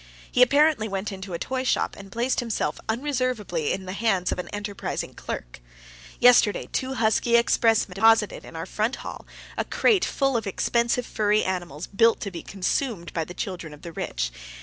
He apparently went into a toy shop, and placed himself unreservedly in the hands of an enterprising clerk. Yesterday two husky expressmen deposited in our front hall a crate full of expensive furry animals built to be consumed by the children of the rich.